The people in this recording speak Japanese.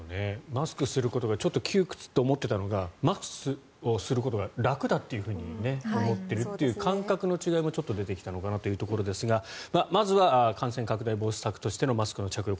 マスクをすることがちょっと窮屈と思っていたのがマスクをすることが楽だと思っているという感覚の違いもちょっと出てきたのかなというところですがまずは感染拡大防止策としてのマスクの着用